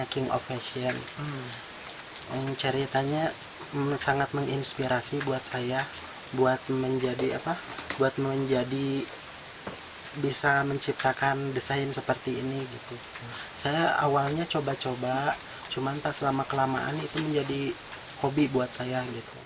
karena selama kelamaan itu menjadi hobi buat saya